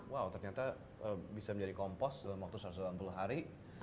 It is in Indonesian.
wow ternyata bisa menjadi kompos dalam waktu satu ratus enam puluh hari